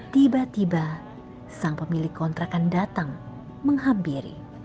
tiba tiba sang pemilik kontrakan datang menghampiri